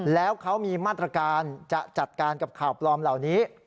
แล้วเขามีมาตรการจะจัดการกับข่าวปลอมเหล่านี้